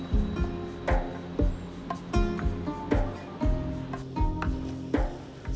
masih banyak lagi total ada sembilan puluh sembilan nama baik